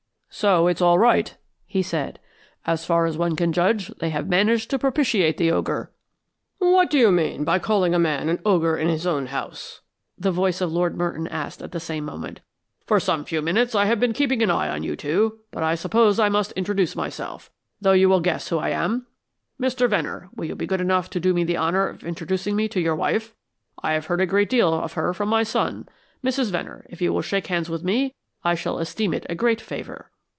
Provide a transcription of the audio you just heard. "So that's all right," he said. "As far as one can judge, they have managed to propitiate the ogre." "What do you mean by calling a man an ogre in his own house?" the voice of Lord Merton asked at the same moment. "For some few minutes I have been keeping an eye on you two, but I suppose I must introduce myself, though you will guess who I am. Mr. Venner, will you be good enough to do me the honor of introducing me to your wife? I have heard a great deal of her from my son. Mrs. Venner, if you will shake hands with me I shall esteem it a great favor."